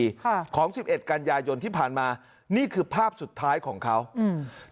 ค่ะของสิบเอ็ดกันยายนที่ผ่านมานี่คือภาพสุดท้ายของเขาอืม